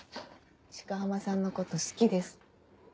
鹿浜さんのこと好きです。